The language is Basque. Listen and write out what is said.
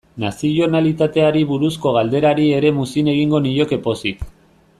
Nazionalitateari buruzko galderari ere muzin egingo nioke pozik.